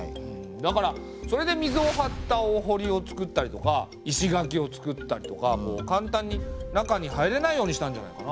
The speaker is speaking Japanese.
だからそれで水を張ったおほりをつくったりとか石垣をつくったりとか簡単に中に入れないようにしたんじゃないかな？